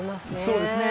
そうですね。